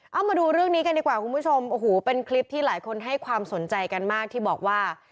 เอามาดูเรื่องนี้กันดีกว่าคุณผู้ชมโอ้โหเป็นคลิปที่หลายคนให้ความสนใจกันมากที่บอกว่า